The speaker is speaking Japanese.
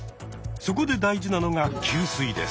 そこで大事なのが給水です。